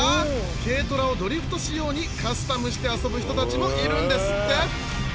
軽トラをドリフト仕様にカスタムして遊ぶ人たちもいるんですって